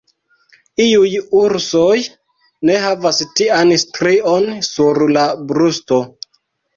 Iuj ursoj ne havas tian strion sur la brusto.